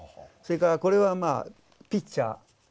それからこれはまあピッチャー。